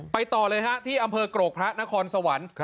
ต่อเลยฮะที่อำเภอกรกพระนครสวรรค์